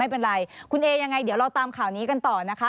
ไม่เป็นไรคุณเอยังไงเดี๋ยวเราตามข่าวนี้กันต่อนะคะ